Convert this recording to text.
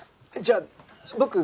じゃあ僕